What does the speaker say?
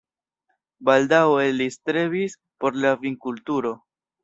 Baldaŭe li strebis por la vinkulturo.